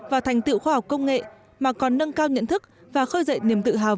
vào thành tựu khoa học công nghệ mà còn nâng cao nhận thức và khơi dậy niềm tự hào